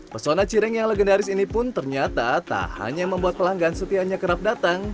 pesona cireng yang legendaris ini pun ternyata tak hanya membuat pelanggan setianya kerap datang